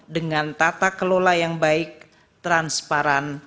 dengan tata kelola yang baik transparan